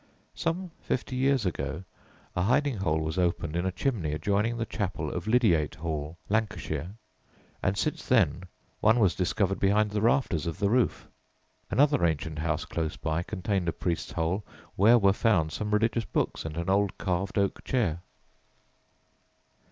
[Illustration: BADDESLEY CLINTON, WARWICKSHIRE] Some fifty years ago a hiding hole was opened in a chimney adjoining "the chapel" of Lydiate Hall, Lancashire; and since then one was discovered behind the rafters of the roof. Another ancient house close by contained a priest's hole where were found some religious books and an old carved oak chair.